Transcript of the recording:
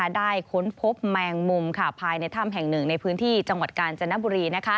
ค้นพบแมงมุมภายในถ้ำแห่งหนึ่งในพื้นที่จังหวัดกาญจนบุรี